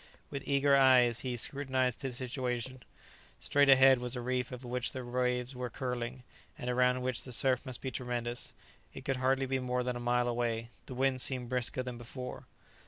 With eager eyes he scrutinized his situation. Straight ahead was a reef over which the waves were curling, and around which the surf must be tremendous. It could hardly be more than a mile away. The wind seemed brisker than before.